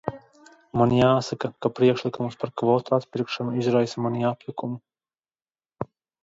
Man jāsaka, ka priekšlikums par kvotu atpirkšanu izraisa manī apjukumu.